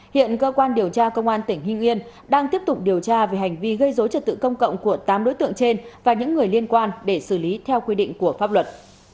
hiện cơ quan điều tra công an tỉnh hưng yên đang tiếp tục điều tra về hành vi gây dối trật tự công cộng của tám đối tượng trên và những người liên quan để xử lý theo quy định của pháp luật